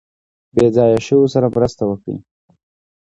بې ځایه شویو سره مرسته وکړي.